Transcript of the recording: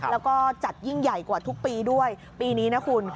แล้วก็จัดยิ่งใหญ่กว่าทุกปีด้วยปีนี้นะคุณ